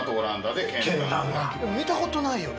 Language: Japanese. でも見たことないよね